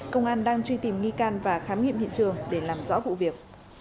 công an đang truy tìm nghi can và khám nghiệm hiện trường để làm rõ vụ việc